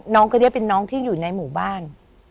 น้องคนนี้เป็นน้องที่อยู่ในหมู่บ้าน